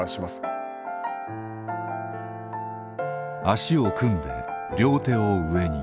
脚を組んで両手を上に。